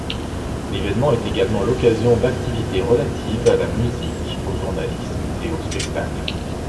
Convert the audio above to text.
L'événement est également l'occasion d'activités relatives à la musique, au journalisme et au spectacle.